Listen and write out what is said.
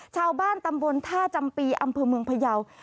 ชาวบ้านตำบลท่าจำปีอำเภอเมืองพยาว